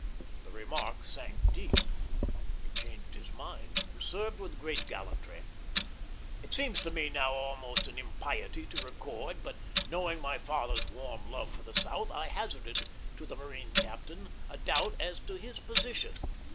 The remark sank deep; he changed his mind, and served with great gallantry. It seems to me now almost an impiety to record, but, knowing my father's warm love for the South, I hazarded to the marine captain a doubt as to his position.